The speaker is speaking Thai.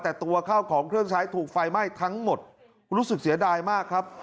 แต่ตัวข้าวของเครื่องใช้ถูกไฟไหม้ทั้งหมดรู้สึกเสียดายมากครับ